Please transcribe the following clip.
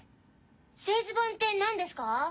製図板って何ですか？